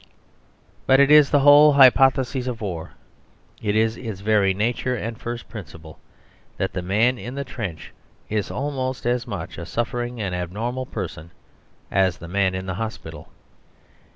But it is the whole hypothesis of war, it is its very nature and first principle, that the man in the trench is almost as much a suffering and abnormal person as the man in the hospital.